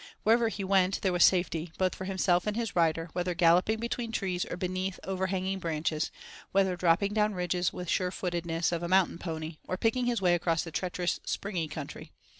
Wherever he went there was safety, both for himself and his rider whether galloping between trees or beneath over hanging branches, whether dropping down ridges with the surefootedness of a mountain pony, or picking his way across the treacherous "springy country."